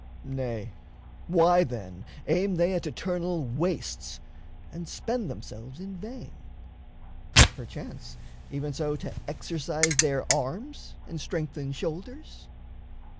Nay, why, then, aim they at eternal wastes, And spend themselves in vain? perchance, even so To exercise their arms and strengthen shoulders?